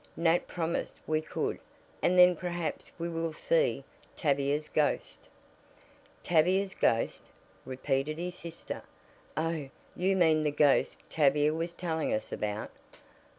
Nat promised we could and then perhaps we will see Tavia's ghost." "Tavia's ghost?" repeated his sister. "Oh, you mean the ghost Tavia was telling us about.